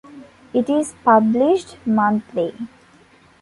It is published monthly.